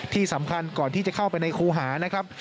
ที่สำคัญก่อนที่จะเข้าไปในครูหานะครับ